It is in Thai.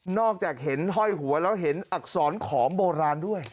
จากเห็นห้อยหัวแล้วเห็นอักษรขอมโบราณด้วย